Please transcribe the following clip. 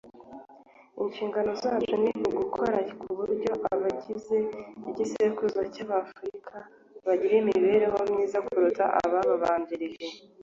"Inshingano zacu ni ugukora k’uburyo abagize igisekuru cy’Afurika bagira imibereho myiza kuruta abababanjirije